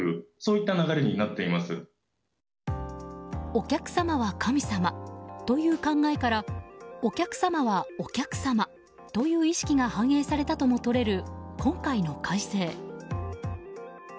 お客様は神様という考えからお客様はお客様という意識が反映されたともとれる今回の改正。